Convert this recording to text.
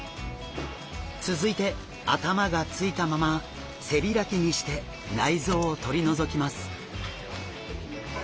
続いて頭がついたまま背開きにして内臓を取り除きます。